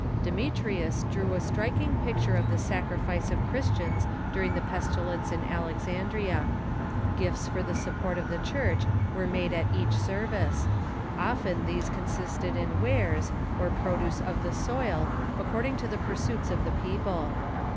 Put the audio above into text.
Deme trius drew a striking picture of the sacrifice of Christians during the pestilence in Alexandria. Gifts for the support of the Church were made at each service ; often these consisted in wares, or produce of the soil, according to the pursuits of the people.